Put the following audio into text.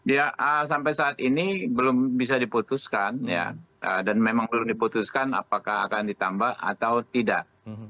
ya sampai saat ini belum bisa diputuskan dan memang belum diputuskan apakah akan ditambah atau tidak